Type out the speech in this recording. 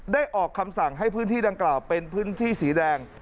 ออกคำสั่งให้พื้นที่ดังกล่าวเป็นพื้นที่สีแดง